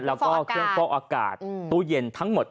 แล้วก็เครื่องฟอกอากาศตู้เย็นทั้งหมด